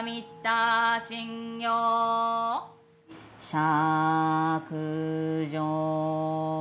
しゃくじょう。